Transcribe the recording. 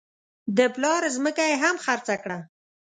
د پلار ځمکه یې هم خرڅه کړه.